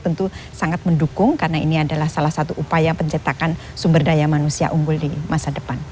tentu sangat mendukung karena ini adalah salah satu upaya pencetakan sumber daya manusia unggul di masa depan